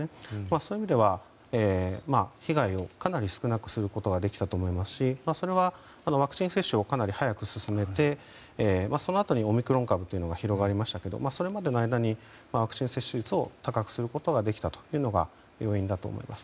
そういう意味では、被害をかなり少なくすることができたと思いますしそれは、ワクチン接種をかなり早く進めてそのあとにオミクロン株が広がりましたがそれまでの間にワクチン接種率を高くすることができたというのが要因だと思います。